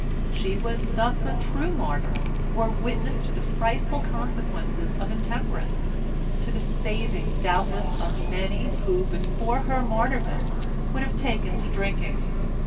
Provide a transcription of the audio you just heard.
She was thus a true martyr or witness to the frightful consequences of intemperance, to the saving, doubtless, of many who but for her martyrdom would have taken to drinking.